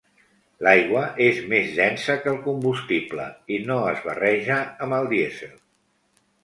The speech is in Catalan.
L’aigua és més densa que el combustible i no es barreja amb el dièsel.